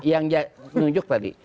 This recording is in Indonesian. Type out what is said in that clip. yang menunjuk tadi